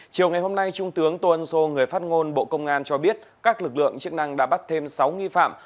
chiều ngày hôm nay trung tướng tô ân sô người phát ngôn bộ công an cho biết các lực lượng chức năng đã bắt thêm sáu nghi phạm